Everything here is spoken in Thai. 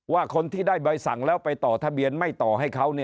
ว่าคนที่ได้ใบสั่งแล้วไปต่อทะเบียนไม่ต่อให้เขา